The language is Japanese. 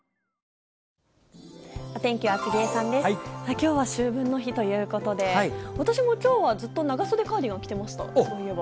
きょうは秋分の日ということで、私もきょうはずっと長袖カーディガン着てました、そういえば。